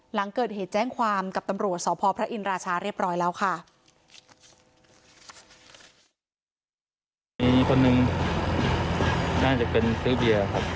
หลังเกิดเหตุแจ้งความกับตำรวจสพพระอินราชาเรียบร้อยแล้วค่ะ